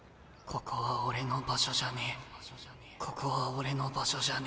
ここは俺の場所じゃねえ。